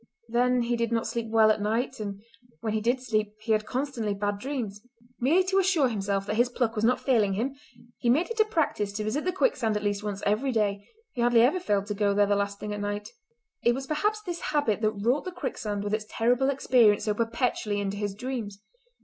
Then he did not sleep well at night, and when he did sleep he had constantly bad dreams. Merely to assure himself that his pluck was not failing him he made it a practice to visit the quicksand at least once every day; he hardly ever failed to go there the last thing at night. It was perhaps this habit that wrought the quicksand with its terrible experience so perpetually into his dreams.